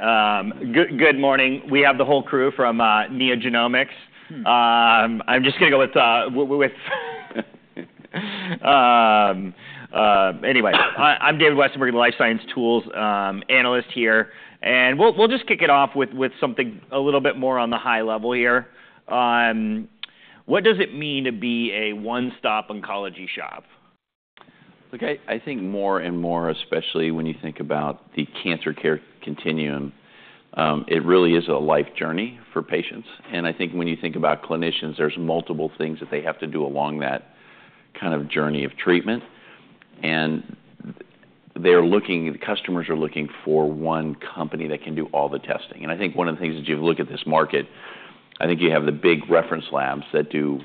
All right. Good morning. We have the whole crew from NeoGenomics. I'm just going to go with, anyway, I'm David Westenberg, the Life Science Tools analyst here. And we'll just kick it off with something a little bit more on the high level here. What does it mean to be a one-stop oncology shop? I think more and more, especially when you think about the cancer care continuum, it really is a life journey for patients. And I think when you think about clinicians, there's multiple things that they have to do along that kind of journey of treatment. And they're looking, the customers are looking for one company that can do all the testing. And I think one of the things is you look at this market. I think you have the big reference labs that do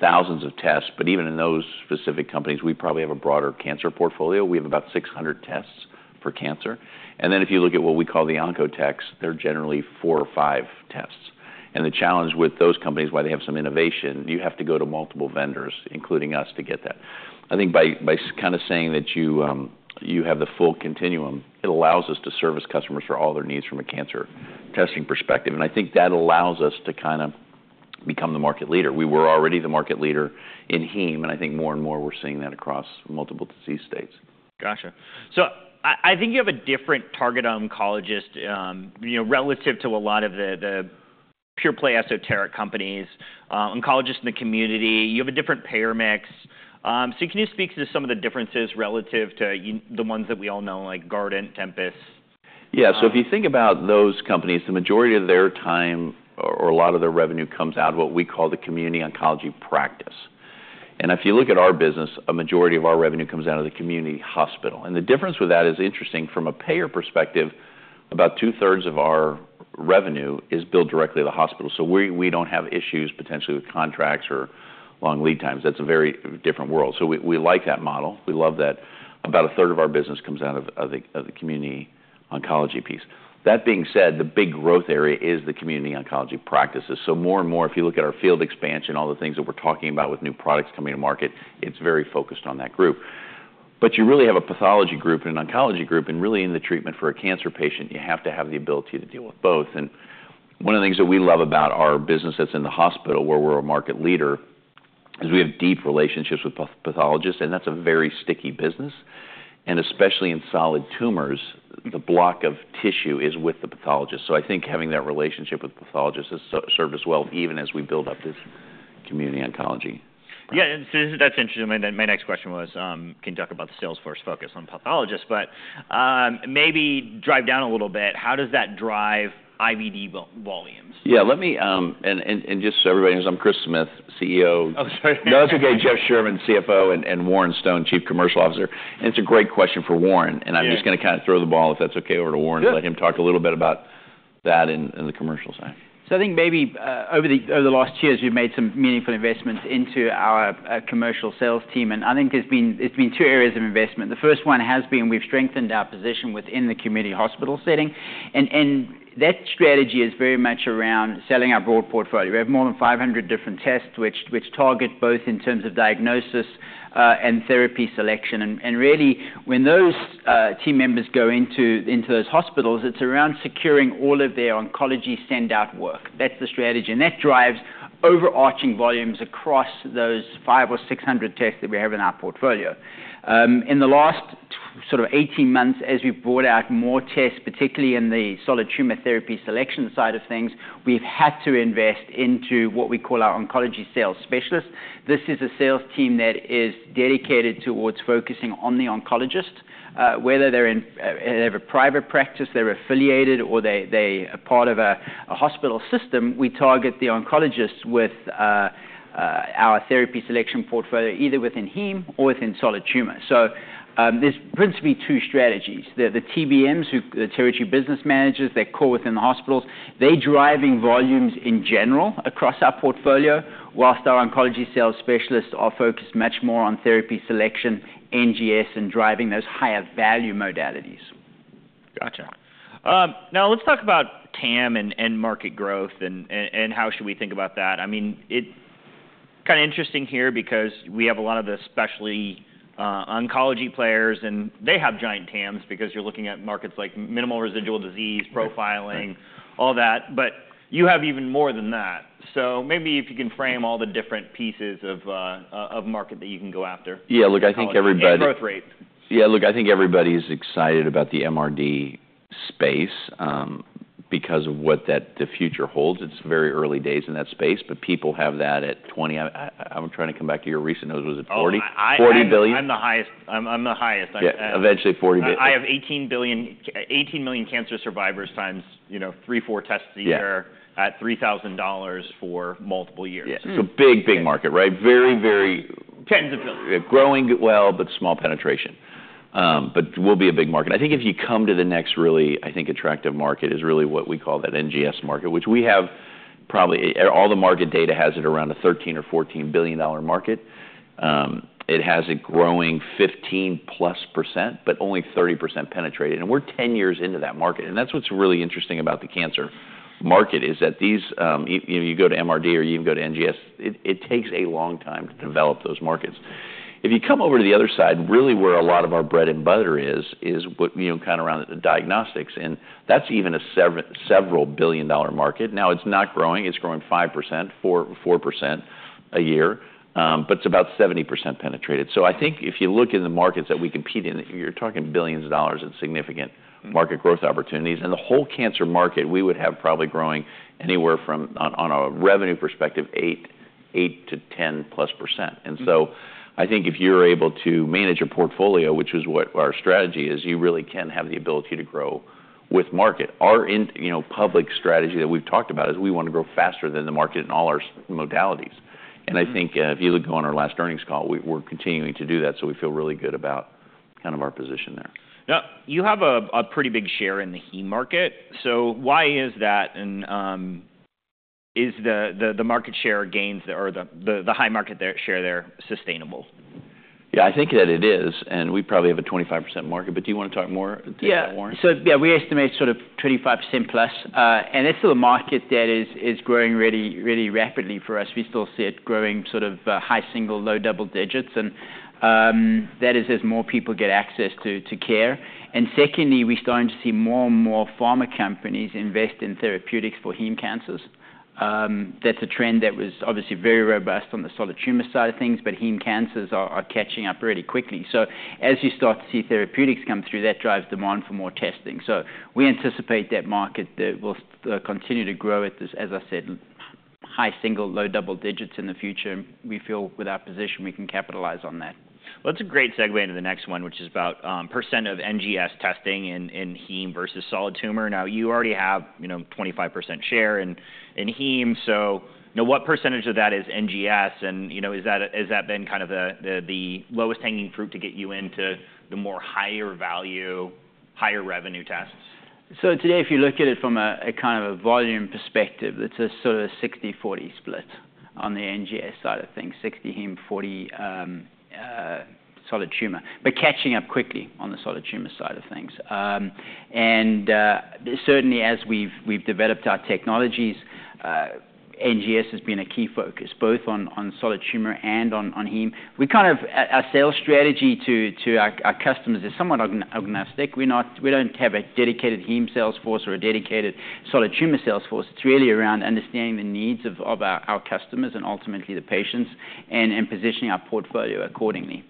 thousands of tests. But even in those specific companies, we probably have a broader cancer portfolio. We have about 600 tests for cancer. And then if you look at what we call the onco-techs, there are generally four or five tests. And the challenge with those companies, why they have some innovation, you have to go to multiple vendors, including us, to get that. I think by kind of saying that you have the full continuum, it allows us to service customers for all their needs from a cancer testing perspective. And I think that allows us to kind of become the market leader. We were already the market leader in heme, and I think more and more we're seeing that across multiple disease states. Gotcha. So I think you have a different target oncologist relative to a lot of the pure-play esoteric companies, oncologists in the community. You have a different payer mix. So can you speak to some of the differences relative to the ones that we all know, like Guardant, Tempus? Yeah. So if you think about those companies, the majority of their time or a lot of their revenue comes out of what we call the community oncology practice. And if you look at our business, a majority of our revenue comes out of the community hospital. And the difference with that is interesting. From a payer perspective, about two-thirds of our revenue is billed directly to the hospital. So we don't have issues potentially with contracts or long lead times. That's a very different world. So we like that model. We love that about a third of our business comes out of the community oncology piece. That being said, the big growth area is the community oncology practices. So more and more, if you look at our field expansion, all the things that we're talking about with new products coming to market, it's very focused on that group. But you really have a pathology group and an oncology group. And really, in the treatment for a cancer patient, you have to have the ability to deal with both. And one of the things that we love about our business that's in the hospital, where we're a market leader, is we have deep relationships with pathologists. And that's a very sticky business. And especially in solid tumors, the block of tissue is with the pathologist. So I think having that relationship with pathologists has served us well even as we build up this community oncology practice. Yeah. And so that's interesting. My next question was, can you talk about the sales force focus on pathologists? But maybe drive down a little bit. How does that drive IVD volumes? Yeah. And just so everybody knows, I'm Chris Smith, CEO. Oh, sorry. No, it's okay. Jeff Sherman, CFO, and Warren Stone, Chief Commercial Officer. And it's a great question for Warren. And I'm just going to kind of throw the ball, if that's okay, over to Warren and let him talk a little bit about that and the commercial side. So I think maybe over the last years, we've made some meaningful investments into our commercial sales team. And I think there's been two areas of investment. The first one has been we've strengthened our position within the community hospital setting. And that strategy is very much around selling our broad portfolio. We have more than 500 different tests which target both in terms of diagnosis and therapy selection. And really, when those team members go into those hospitals, it's around securing all of their oncology send-out work. That's the strategy. And that drives overarching volumes across those 500 or 600 tests that we have in our portfolio. In the last sort of 18 months, as we've brought out more tests, particularly in the solid tumor therapy selection side of things, we've had to invest into what we call our oncology sales specialists. This is a sales team that is dedicated towards focusing on the oncologist. Whether they have a private practice, they're affiliated, or they are part of a hospital system, we target the oncologists with our therapy selection portfolio, either within heme or within solid tumor. So there's principally two strategies. The TBMs, the territory business managers, they're core within the hospitals. They're driving volumes in general across our portfolio, whilst our oncology sales specialists are focused much more on therapy selection, NGS, and driving those higher value modalities. Gotcha. Now, let's talk about TAM and market growth and how should we think about that? I mean, it's kind of interesting here because we have a lot of the specialty oncology players, and they have giant TAMs because you're looking at markets like minimal residual disease profiling, all that. But you have even more than that. So maybe if you can frame all the different pieces of market that you can go after? Yeah. Look, I think everybody. Growth rate. Yeah. Look, I think everybody is excited about the MRD space because of what the future holds. It's very early days in that space. But people have that at 20. I'm trying to come back to your recent notes. Was it 40? $40 billion? I'm the highest. Yeah. Eventually, $40 billion. I have 18 million cancer survivors times 3-4 tests a year at $3,000 for multiple years. Yeah. It's a big, big market, right? Very, very. Tens of billions. Growing well, but small penetration. But it will be a big market. I think if you come to the next really, I think, attractive market is really what we call that NGS market, which we have probably all the market data has it around a $13 or $14 billion market. It has a growing 15%+, but only 30% penetrated. And we're 10 years into that market. And that's what's really interesting about the cancer market is that you go to MRD or you even go to NGS, it takes a long time to develop those markets. If you come over to the other side, really where a lot of our bread and butter is, is kind of around diagnostics. And that's even a several billion-dollar market. Now, it's not growing. It's growing 5%-4% a year. But it's about 70% penetrated. So I think if you look in the markets that we compete in, you're talking billions of dollars in significant market growth opportunities. And the whole cancer market, we would have probably growing anywhere from, on a revenue perspective, 8%-10+%. And so I think if you're able to manage your portfolio, which is what our strategy is, you really can have the ability to grow with market. Our public strategy that we've talked about is we want to grow faster than the market in all our modalities. And I think if you look on our last earnings call, we're continuing to do that. So we feel really good about kind of our position there. Now, you have a pretty big share in the heme market. So why is that? And is the market share gains or the high market share there sustainable? Yeah. I think that it is. And we probably have a 25% market. But do you want to talk more to that, Warren? Yeah. So yeah, we estimate sort of 25%+. And it's a market that is growing really rapidly for us. We still see it growing sort of high single, low double digits. And that is as more people get access to care. And secondly, we're starting to see more and more pharma companies invest in therapeutics for heme cancers. That's a trend that was obviously very robust on the solid tumor side of things. But heme cancers are catching up really quickly. So as you start to see therapeutics come through, that drives demand for more testing. So we anticipate that market that will continue to grow at this, as I said, high single, low double digits in the future. And we feel with our position, we can capitalize on that. That's a great segue into the next one, which is about percent of NGS testing in heme versus solid tumor. Now, you already have 25% share in heme. So what percentage of that is NGS? And has that been kind of the lowest hanging fruit to get you into the more higher value, higher revenue tests? Today, if you look at it from a kind of a volume perspective, it's sort of a 60-40 split on the NGS side of things, 60 heme, 40 solid tumor. We're catching up quickly on the solid tumor side of things. Certainly, as we've developed our technologies, NGS has been a key focus both on solid tumor and on heme. We kind of our sales strategy to our customers is somewhat agnostic. We don't have a dedicated heme sales force or a dedicated solid tumor sales force. It's really around understanding the needs of our customers and ultimately the patients and positioning our portfolio accordingly.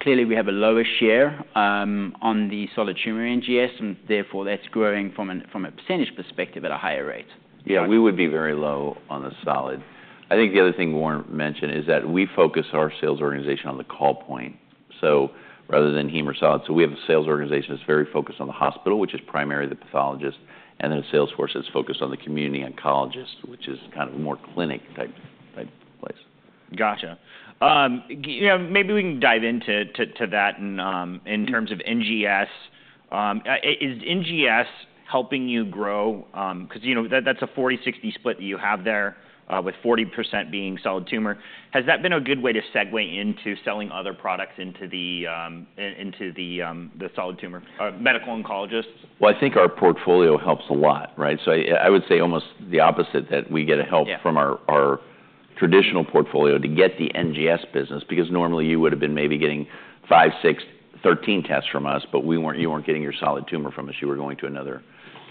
Clearly, we have a lower share on the solid tumor NGS. Therefore, that's growing from a percentage perspective at a higher rate. Yeah. We would be very low on the solid. I think the other thing Warren mentioned is that we focus our sales organization on the call point. So rather than heme or solid, we have a sales organization that's very focused on the hospital, which is primarily the pathologist, and then a sales force that's focused on the community oncologist, which is kind of a more clinic-type place. Gotcha. Maybe we can dive into that in terms of NGS. Is NGS helping you grow? Because that's a 40-60 split that you have there with 40% being solid tumor. Has that been a good way to segue into selling other products into the solid tumor? Medical oncologists? I think our portfolio helps a lot, right? So I would say almost the opposite that we get help from our traditional portfolio to get the NGS business. Because normally, you would have been maybe getting five, six, 13 tests from us. But you weren't getting your solid tumor from us. You were going to another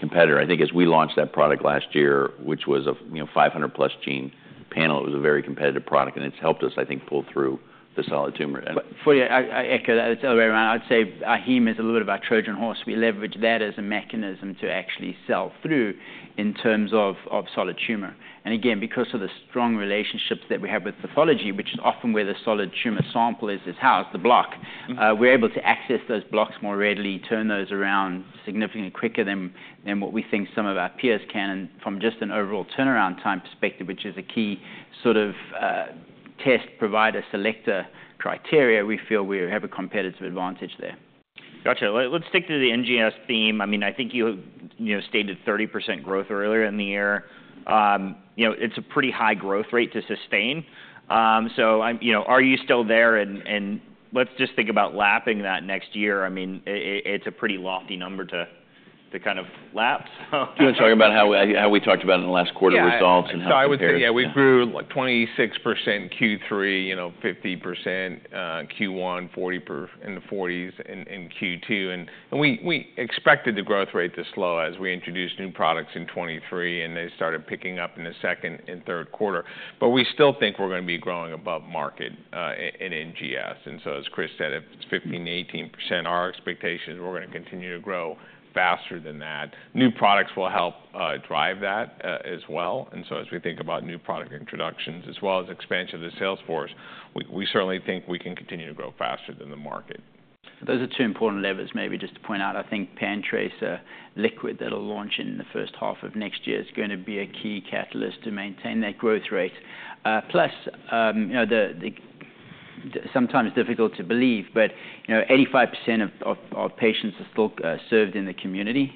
competitor. I think as we launched that product last year, which was a 500+ gene panel, it was a very competitive product. And it's helped us, I think, pull through the solid tumor. I echo that. It's the other way around. I'd say our heme is a little bit of our Trojan horse. We leverage that as a mechanism to actually sell through in terms of solid tumor. And again, because of the strong relationships that we have with pathology, which is often where the solid tumor sample is housed, the block, we're able to access those blocks more readily, turn those around significantly quicker than what we think some of our peers can. And from just an overall turnaround time perspective, which is a key sort of test provider selector criteria, we feel we have a competitive advantage there. Gotcha. Let's stick to the NGS theme. I mean, I think you stated 30% growth earlier in the year. It's a pretty high growth rate to sustain. So are you still there, and let's just think about lapping that next year. I mean, it's a pretty lofty number to kind of lap. Do you want to talk about how we talked about it in the last quarter results and how we're? Yeah. We grew 26% Q3, 50% Q1, 40 in the 40s in Q2. And we expected the growth rate to slow as we introduced new products in 2023. And they started picking up in the second and third quarter. But we still think we're going to be growing above market in NGS. And so as Chris said, if it's 15%-18%, our expectation is we're going to continue to grow faster than that. New products will help drive that as well. And so as we think about new product introductions as well as expansion of the sales force, we certainly think we can continue to grow faster than the market. Those are two important levers maybe just to point out. I think PanTracer Liquid that will launch in the first half of next year is going to be a key catalyst to maintain that growth rate. Plus, sometimes difficult to believe, but 85% of patients are still served in the community.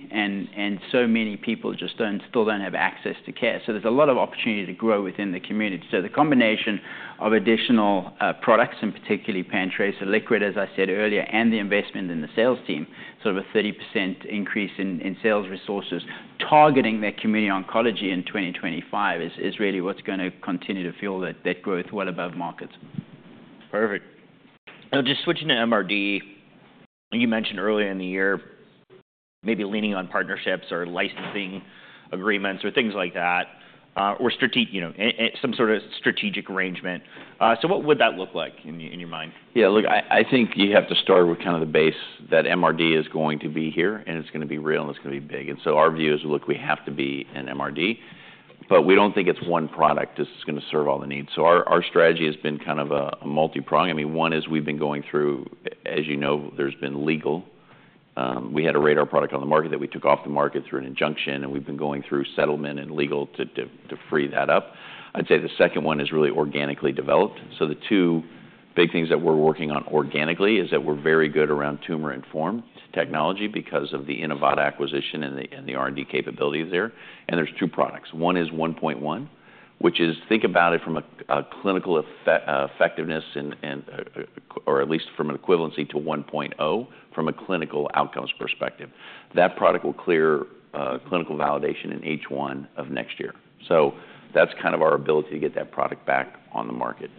So many people just still don't have access to care. There's a lot of opportunity to grow within the community. The combination of additional products, and particularly PanTracer Liquid, as I said earlier, and the investment in the sales team, sort of a 30% increase in sales resources targeting that community oncology in 2025 is really what's going to continue to fuel that growth well above markets. Perfect. Now, just switching to MRD, you mentioned earlier in the year maybe leaning on partnerships or licensing agreements or things like that or some sort of strategic arrangement. So what would that look like in your mind? Yeah. Look, I think you have to start with kind of the basis that MRD is going to be here, and it's going to be real, and it's going to be big. And so our view is, look, we have to be in MRD. But we don't think it's one product that's going to serve all the needs. So our strategy has been kind of a multi-pronged. I mean, one is we've been going through, as you know, there's been legal. We had a RaDaR product on the market that we took off the market through an injunction. And we've been going through settlement and legal to free that up. I'd say the second one is really organically developed. So the two big things that we're working on organically is that we're very good around tumor-informed technology because of the Inivata acquisition and the R&D capabilities there. And there's two products. One is 1.1, which is, think about it, from a clinical effectiveness or at least from an equivalency to 1.0 from a clinical outcomes perspective. That product will clear clinical validation in H1 of next year. So that's kind of our ability to get that product back on the market.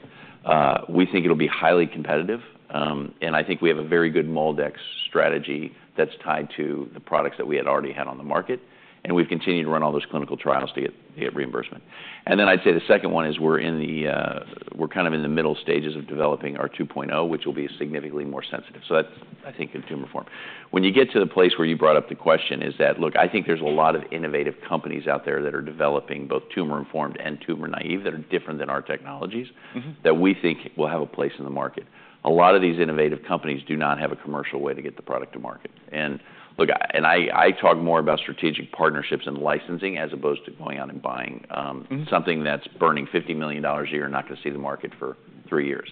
We think it'll be highly competitive. And I think we have a very good MolDX strategy that's tied to the products that we had already had on the market. And we've continued to run all those clinical trials to get reimbursement. And then I'd say the second one is we're kind of in the middle stages of developing our 2.0, which will be significantly more sensitive. So that's, I think, in tumor form. When you get to the place where you brought up the question is that, look, I think there's a lot of innovative companies out there that are developing both tumor-informed and tumor-naive that are different than our technologies that we think will have a place in the market. A lot of these innovative companies do not have a commercial way to get the product to market. And look, I talk more about strategic partnerships and licensing as opposed to going out and buying something that's burning $50 million a year and not going to see the market for three years.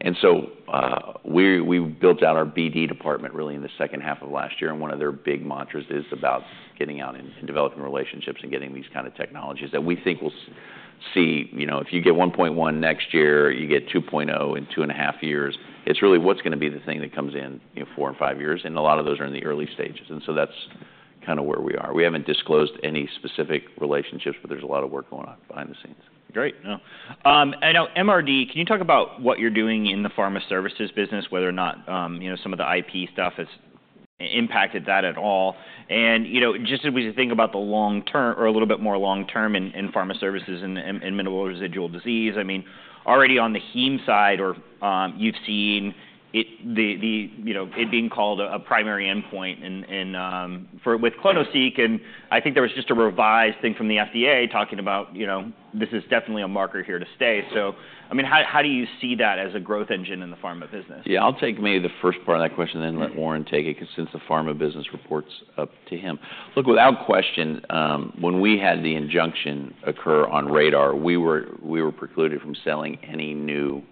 And so we built out our BD department really in the second half of last year. And one of their big mantras is about getting out and developing relationships and getting these kind of technologies that we think we'll see. If you get 1.1 next year, you get 2.0 in two and a half years. It's really what's going to be the thing that comes in four and five years. And a lot of those are in the early stages. And so that's kind of where we are. We haven't disclosed any specific relationships. But there's a lot of work going on behind the scenes. Great. Now, MRD, can you talk about what you're doing in the pharma services business, whether or not some of the IP stuff has impacted that at all? And just as we think about the long term or a little bit more long term in pharma services and minimal residual disease, I mean, already on the heme side, you've seen it being called a primary endpoint with clonoSEQ. And I think there was just a revised thing from the FDA talking about this is definitely a marker here to stay. So I mean, how do you see that as a growth engine in the pharma business? Yeah. I'll take maybe the first part of that question and then let Warren take it because since the pharma business report's up to him, look, without question, when we had the injunction occur on RaDaR, we were precluded from selling any new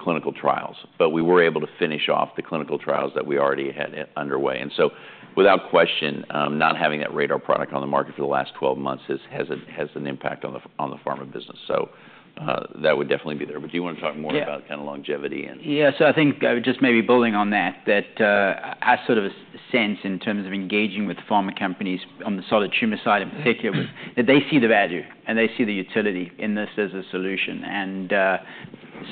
clinical trials. But we were able to finish off the clinical trials that we already had underway. And so without question, not having that RaDaR product on the market for the last 12 months has an impact on the pharma business. So that would definitely be there. But do you want to talk more about kind of longevity and? Yeah. So I think just maybe building on that, that our sort of sense in terms of engaging with pharma companies on the solid tumor side in particular was that they see the value. And they see the utility in this as a solution. And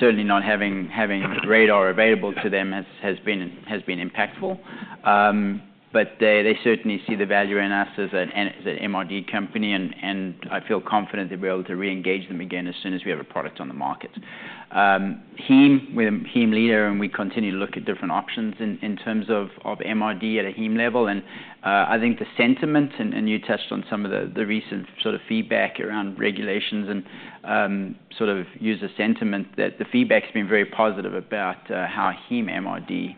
certainly, not having RaDaR available to them has been impactful. But they certainly see the value in us as an MRD company. And I feel confident that we're able to reengage them again as soon as we have a product on the market. heme, we're the heme leader. And we continue to look at different options in terms of MRD at a heme level. And I think the sentiment, and you touched on some of the recent sort of feedback around regulations and sort of user sentiment, that the feedback has been very positive about how heme MRD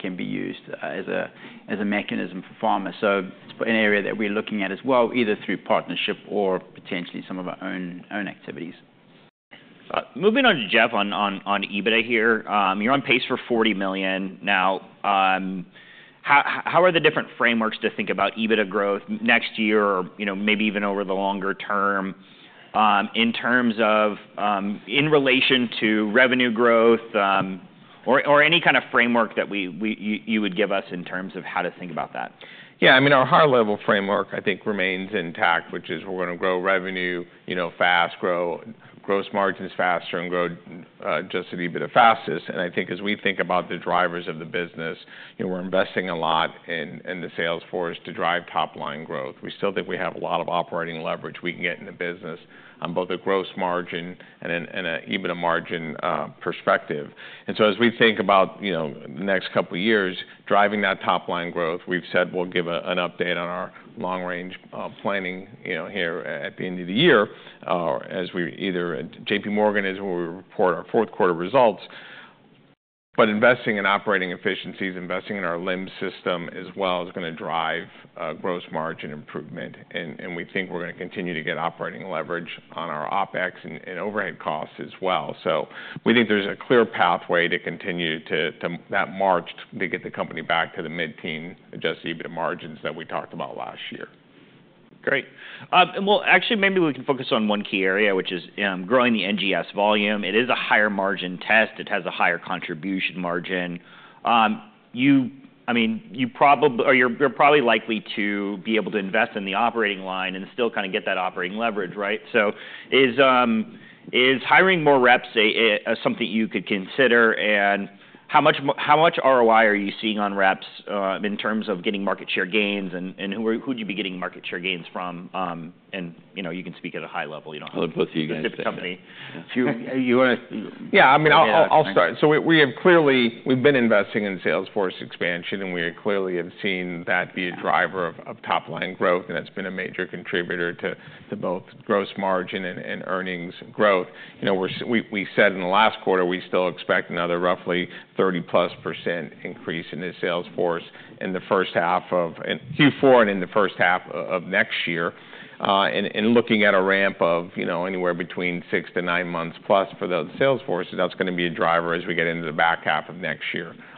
can be used as a mechanism for pharma. So it's an area that we're looking at as well, either through partnership or potentially some of our own activities. Moving on to Jeff on EBITDA here. You're on pace for $40 million now. How are the different frameworks to think about EBITDA growth next year or maybe even over the longer term in relation to revenue growth or any kind of framework that you would give us in terms of how to think about that? Yeah. I mean, our higher level framework, I think, remains intact, which is we're going to grow revenue fast, grow gross margins faster, and grow just a little bit the fastest. And I think as we think about the drivers of the business, we're investing a lot in the sales force to drive top-line growth. We still think we have a lot of operating leverage we can get in the business on both a gross margin and an EBITDA margin perspective. And so as we think about the next couple of years driving that top-line growth, we've said we'll give an update on our long-range planning here at the end of the year as we either at JPMorgan is where we report our fourth quarter results. But investing in operating efficiencies, investing in our LIMS as well is going to drive gross margin improvement. And we think we're going to continue to get operating leverage on our OpEx and overhead costs as well. So we think there's a clear pathway to continue that march to get the company back to the mid-teen, adjusted EBITDA margins that we talked about last year. Great. Well, actually, maybe we can focus on one key area, which is growing the NGS volume. It is a higher margin test. It has a higher contribution margin. I mean, you're probably likely to be able to invest in the operating line and still kind of get that operating leverage, right? So is hiring more reps something you could consider? And how much ROI are you seeing on reps in terms of getting market share gains? And who would you be getting market share gains from? And you can speak at a high level. I'll put you against. It's a different company. Yeah. I mean, I'll start. So we have clearly, we've been investing in sales force expansion. And we clearly have seen that be a driver of top-line growth. And it's been a major contributor to both gross margin and earnings growth. We said in the last quarter, we still expect another roughly 30-plus% increase in the sales force in the first half of Q4 and in the first half of next year. And looking at a ramp of anywhere between six to nine months plus for the sales force, that's going to be a driver as we get into the back half of next year on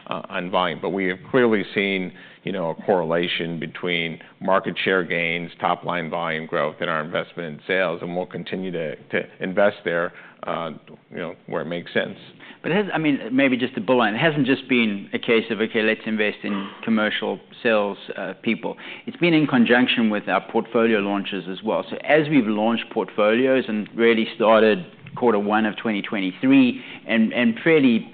volume. But we have clearly seen a correlation between market share gains, top-line volume growth, and our investment in sales. And we'll continue to invest there where it makes sense. But I mean, maybe just to build on, it hasn't just been a case of, OK, let's invest in commercial salespeople. It's been in conjunction with our portfolio launches as well. So as we've launched portfolios and really started quarter one of 2023 and fairly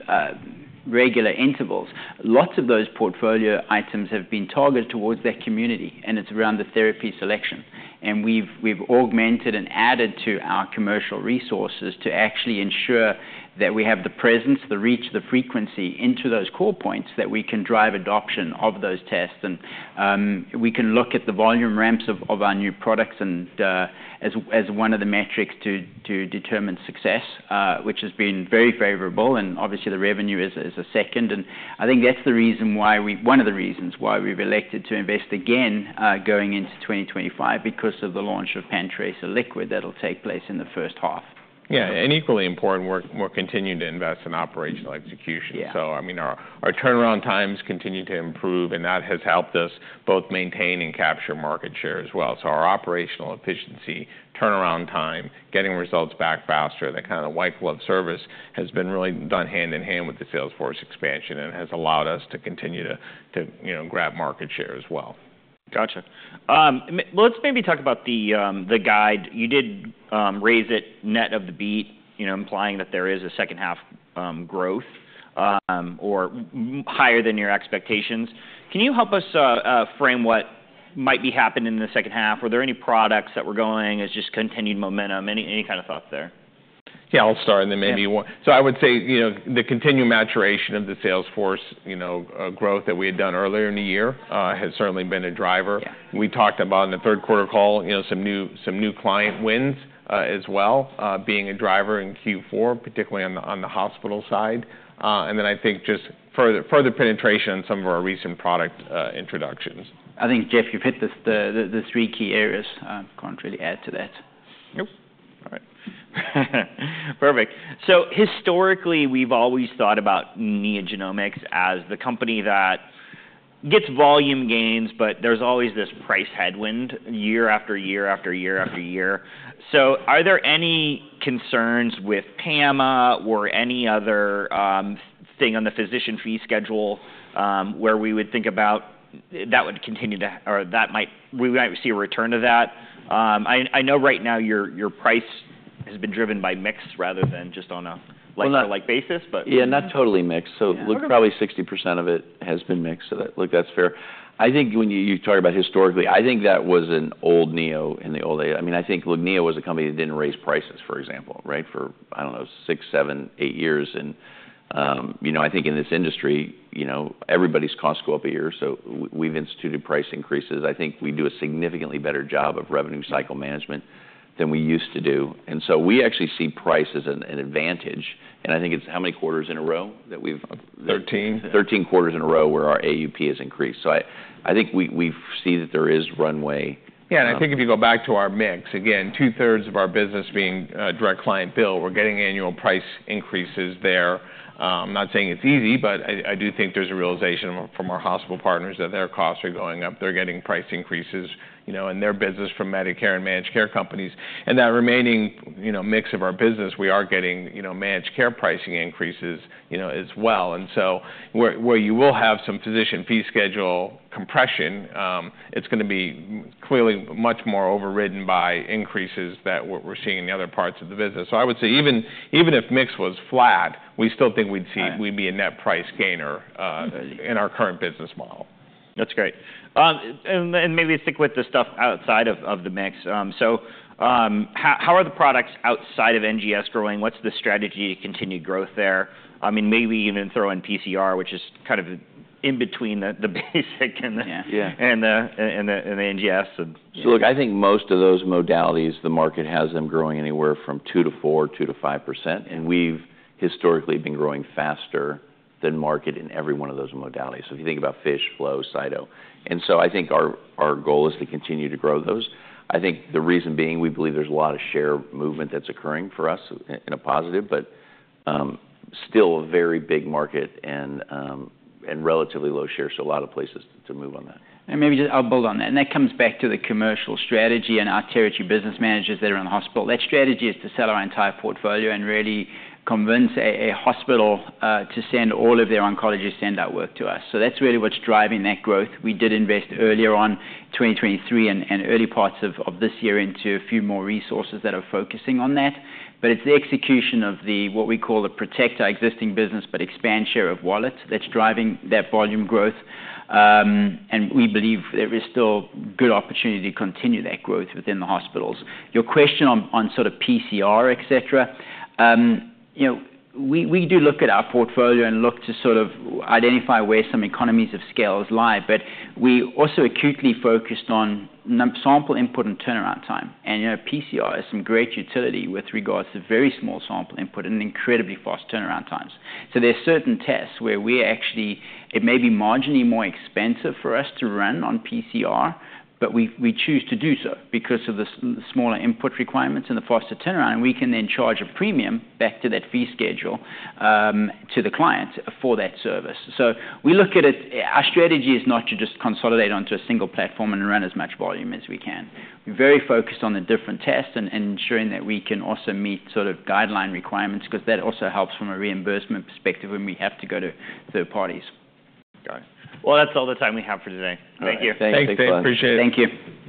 regular intervals, lots of those portfolio items have been targeted towards that community. And it's around the therapy selection. And we've augmented and added to our commercial resources to actually ensure that we have the presence, the reach, the frequency into those core points that we can drive adoption of those tests. And we can look at the volume ramps of our new products as one of the metrics to determine success, which has been very favorable. And obviously, the revenue is a second. And I think that's the reason why we, one of the reasons why we've elected to invest again going into 2025 because of the launch of Pan-Cancer Liquid that'll take place in the first half. Yeah. And equally important, we'll continue to invest in operational execution. So I mean, our turnaround times continue to improve. And that has helped us both maintain and capture market share as well. So our operational efficiency, turnaround time, getting results back faster, that kind of white glove service has been really done hand in hand with the sales force expansion and has allowed us to continue to grab market share as well. Gotcha. Let's maybe talk about the guide. You did raise it net of the beat, implying that there is a second half growth or higher than your expectations. Can you help us frame what might be happening in the second half? Were there any products that were going as just continued momentum? Any kind of thoughts there? Yeah. I'll start. And then maybe one. So I would say the continued maturation of the Salesforce growth that we had done earlier in the year has certainly been a driver. We talked about in the third quarter call some new client wins as well being a driver in Q4, particularly on the hospital side. And then I think just further penetration on some of our recent product introductions. I think, Jeff, you've hit the three key areas. I can't really add to that. Nope. All right. Perfect. So historically, we've always thought about NeoGenomics as the company that gets volume gains. But there's always this price headwind year after year after year after year. So are there any concerns with PAMA or any other thing on the Physician Fee Schedule where we would think about that would continue to, or that might, we might see a return of that? I know right now your price has been driven by mix rather than just on a like, so like basis. Yeah. Not totally mixed. So probably 60% of it has been mixed. So look, that's fair. I think when you talk about historically, I think that was an old Neo in the old days. I mean, I think, look, Neo was a company that didn't raise prices, for example, right, for, I don't know, six, seven, eight years. And I think in this industry, everybody's costs go up a year. So we've instituted price increases. I think we do a significantly better job of revenue cycle management than we used to do. And so we actually see price as an advantage. And I think it's how many quarters in a row that we've. 13. 13 quarters in a row where our AUP has increased, so I think we see that there is runway. Yeah. And I think if you go back to our mix, again, 2/3s of our business being direct client bill, we're getting annual price increases there. I'm not saying it's easy. But I do think there's a realization from our hospital partners that their costs are going up. They're getting price increases in their business from Medicare and managed care companies. And that remaining mix of our business, we are getting managed care pricing increases as well. And so where you will have some Physician Fee Schedule compression, it's going to be clearly much more overridden by increases that we're seeing in the other parts of the business. So I would say even if mix was flat, we still think we'd see we'd be a net price gainer in our current business model. That's great. And maybe stick with the stuff outside of the mix. So how are the products outside of NGS growing? What's the strategy to continue growth there? I mean, maybe even throw in PCR, which is kind of in between the basic and the NGS. So look, I think most of those modalities, the market has them growing anywhere from 2% to 4%, 2% to 5%, and we've historically been growing faster than market in every one of those modalities, so if you think about FISH, flow, cyto, and so I think our goal is to continue to grow those. I think the reason being, we believe there's a lot of share movement that's occurring for us in a positive, but still a very big market and relatively low share, so a lot of places to move on that. And maybe just I'll build on that. And that comes back to the commercial strategy and our territory business managers that are in the hospital. That strategy is to sell our entire portfolio and really convince a hospital to send all of their oncologists and that work to us. So that's really what's driving that growth. We did invest earlier on 2023 and early parts of this year into a few more resources that are focusing on that. But it's the execution of what we call the protect our existing business but expand share of wallet that's driving that volume growth. And we believe there is still good opportunity to continue that growth within the hospitals. Your question on sort of PCR, et cetera, we do look at our portfolio and look to sort of identify where some economies of scale lie. But we also acutely focused on sample input and turnaround time. And PCR has some great utility with regards to very small sample input and incredibly fast turnaround times. So there are certain tests where we actually, it may be marginally more expensive for us to run on PCR. But we choose to do so because of the smaller input requirements and the faster turnaround. And we can then charge a premium back to that fee schedule to the client for that service. So we look at it, our strategy is not to just consolidate onto a single platform and run as much volume as we can. We're very focused on the different tests and ensuring that we can also meet sort of guideline requirements because that also helps from a reimbursement perspective when we have to go to third parties. Got it. Well, that's all the time we have for today. Thank you. Thanks, Dave. Appreciate it. Thank you.